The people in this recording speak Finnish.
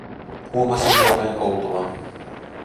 Huomasin jotain outoa: